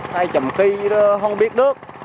ngày trầm ký đó không biết được